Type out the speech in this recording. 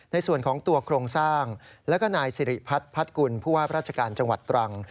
ในส่วนของตัวโครงสร้างแล้วก็นายสิริพัฒน์พัดกุลผู้ว่าราชการจังหวัดตรัง